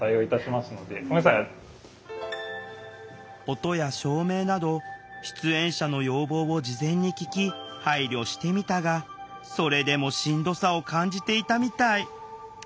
音や照明など出演者の要望を事前に聞き配慮してみたがそれでもしんどさを感じていたみたい。